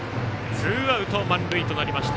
ツーアウト、満塁となりました。